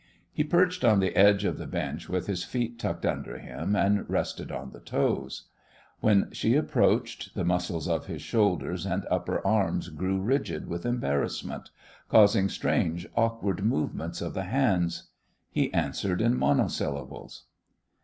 He perched on the edge of the bench with his feet tucked under him and resting on the toes. When she approached, the muscles of his shoulders and upper arms grew rigid with embarrassment, causing strange awkward movements of the hands. He answered in monosyllables.